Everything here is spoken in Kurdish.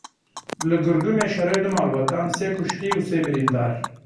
Li Gurgumê şerê du malbatan sê kuştî û sê birîndar.